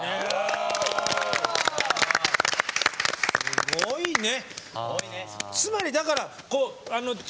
すごいね！